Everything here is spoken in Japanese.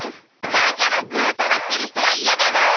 だからぐうたらしてる人は嫌なの！